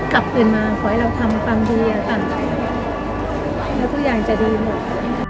กลับตื่นมาขอให้เราทำความดีอะค่ะแล้วทุกอย่างจะดีหมด